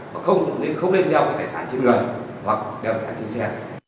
và không nên đeo tài sản trên người hoặc đeo tài sản trên xe